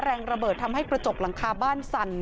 แรงระเบิดทำให้กระจกหลังคาบ้านสั่น